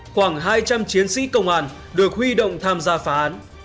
khoảng hai trăm linh chiến sĩ công an được huy động tham gia phá án